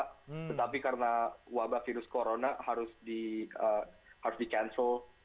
tetapi karena wabah virus corona harus di cancel